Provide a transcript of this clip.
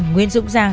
nguyễn dũng giang